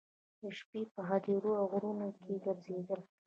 د شپې په هدیرو او غرونو کې ګرځېدل.